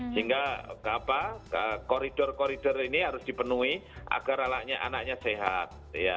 sehingga koridor koridor ini harus dipenuhi agar anaknya anaknya sehat